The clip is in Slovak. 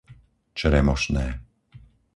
Čremošné